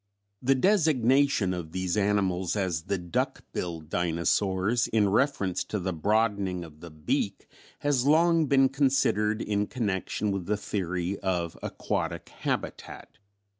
"The designation of these animals as the 'duck billed' dinosaurs in reference to the broadening of the beak, has long been considered in connection with the theory of aquatic habitat.